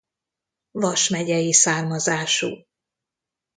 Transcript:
Vas megyei származású.